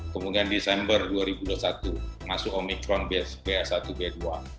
kemudian desember dua ribu dua puluh satu masuk omikron ba satu b dua